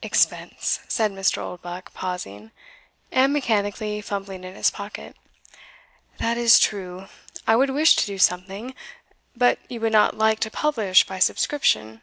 "Expense!" said Mr. Oldbuck, pausing, and mechanically fumbling in his pocket "that is true; I would wish to do something but you would not like to publish by subscription?"